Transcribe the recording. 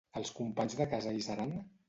Els companys de casa hi seran?